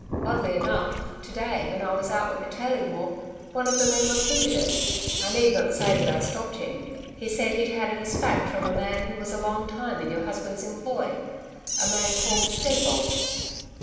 Oddly enough, to day when I was out with the tailing mob, one of the men repeated it I need not say that I stopped him. He said he'd had it as a fact from a man who was a long time in your husband's employ a man called Steadbolt.'